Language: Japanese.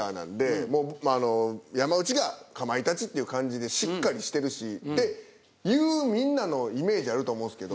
山内がかまいたちっていう感じでしっかりしてるしっていうみんなのイメージあると思うんすけど。